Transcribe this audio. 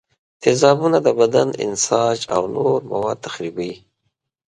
تیزابونه د بدن انساج او نور مواد تخریبوي.